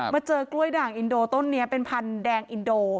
เจอกล้วยด่างอินโดต้นนี้เป็นพันธุ์แดงอินโด